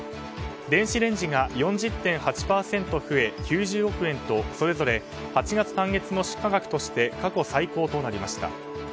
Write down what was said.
電子レンジが４０．８％増え９０億円とそれぞれ８月単月の出荷額として過去最高となりました。